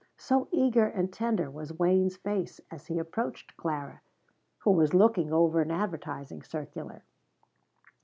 So eager and tender was Wayne's face as he approached Clara, who was looking over an advertising circular.